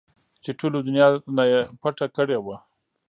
چې ټولې دونيا نه يې پټه کړې وه.